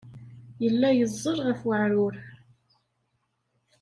Yella yeẓẓel ɣef weɛrur.